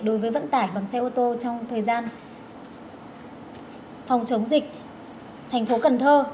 đối với vận tải bằng xe ô tô trong thời gian phòng chống dịch tp cn